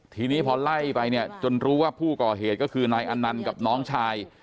ทีนี้พอไล่ไปเนี่ยจนรู้ว่าผู้ก่อเหตุก็คือนายอนันต์กับน้องชาย